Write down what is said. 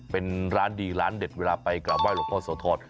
เป็นร้านดีร้านเด็ดเวลาไปกราบไหว้หรอกพ่อเศร้าทอด